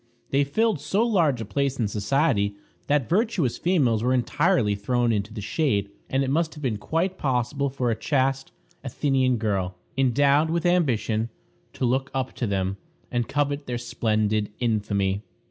They filled so large a place in society that virtuous females were entirely thrown into the shade, and it must have been quite possible for a chaste Athenian girl, endowed with ambition, to look up to them, and covet their splendid infamy.